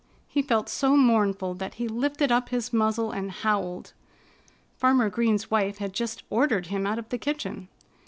He felt so mournful that he lifted up his muzzle and howled. Farmer Green's wife had just ordered him out of the kitchen.